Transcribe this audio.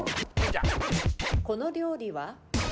この料理は？